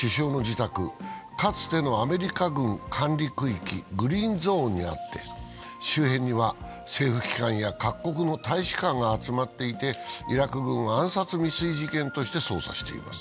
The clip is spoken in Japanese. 首相の自宅、かつてのアメリカ軍管理区域、グリーンゾーンにあって、周辺には政府機関や各国の大使館が集まっていて、イラク軍は暗殺未遂事件として捜査しています。